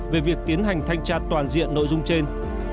về việc tiến hành thanh tra toàn diện nội dung trên